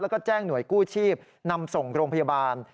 แล้วก็แจ้งหน่วยกู้ชีพนำส่งโรงพยาบาล